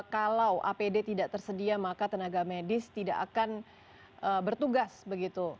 kalau apd tidak tersedia maka tenaga medis tidak akan bertugas begitu